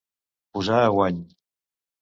Posar a guany.